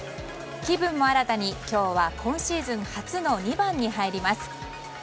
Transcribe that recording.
気分も新たに今日は今シーズン初の２番に入ります。